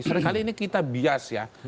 seringkali ini kita bias ya